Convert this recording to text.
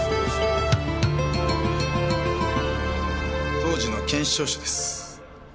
当時の検視調書です。